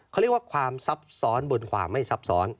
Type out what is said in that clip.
เขาเรียกว่าความซับซ้อนบนความไม่ซับซ้อน